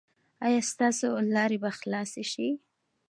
ایا ستاسو لارې به خلاصې شي؟